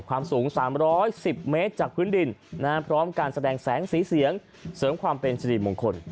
ความสูง๓๑๐เมตรจากพื้นดินพร้อมการแสดงแสงสีเสียงเสริมความเป็นสิริมงคล